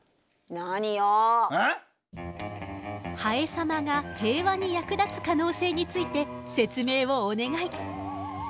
ハエ様が平和に役立つ可能性について説明をお願い。